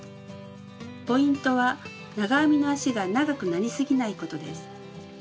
ポイントは長編みの足が長くなりすぎないことです。